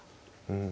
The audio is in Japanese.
うん。